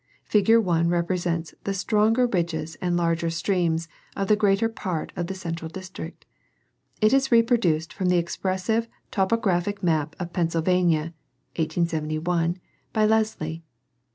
Fig. 1 represents the stronger ridges and larger streams of the greater part of the cen tral district : it is reproduced from the expressive Topographic Map of Pennsylvania (1871) by Lesley.